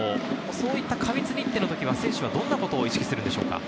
過密日程の時は選手はどんなことを意識するのでしょうか？